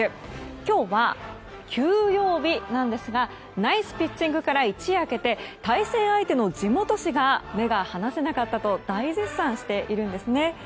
今日は休養日なんですがナイスピッチングから一夜明けて対戦相手の地元紙が目が離せなかったと大絶賛しているんですね。